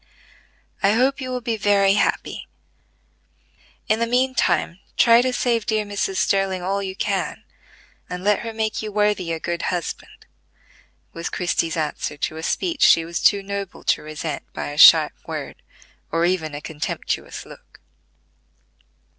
"I hope you will be very happy. In the mean time try to save dear Mrs. Sterling all you can, and let her make you worthy a good husband," was Christie's answer to a speech she was too noble to resent by a sharp word, or even a contemptuous look.